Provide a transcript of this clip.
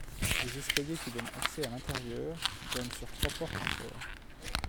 Les escaliers qui donnent accès à l'intérieur donnent sur trois portes en fer.